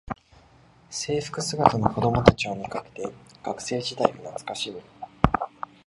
制服姿の子どもたちを見かけて学生時代を懐かしむ